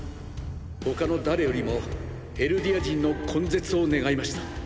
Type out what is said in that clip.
他の誰よりもエルディア人の根絶を願いました。